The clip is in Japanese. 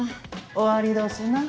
終わりどすな。